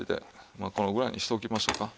まあこのぐらいにしておきましょうか。